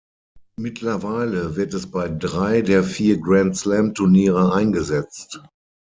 Mittlerweile wird es bei drei der vier Grand-Slam-Turniere eingesetzt.